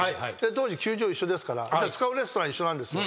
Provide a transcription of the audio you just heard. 当時球場一緒ですから使うレストラン一緒なんですよ。